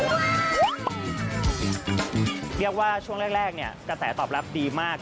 เรียกว่าช่วงแรกเนี่ยกระแสตอบรับดีมาก